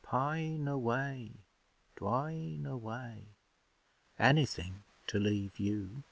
Pine away dwine away Anything to leave you!